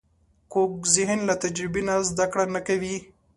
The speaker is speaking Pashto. کوږ ذهن له تجربې نه زده کړه نه کوي